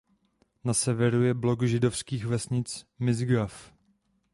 Na severu je blok židovských vesnic Misgav.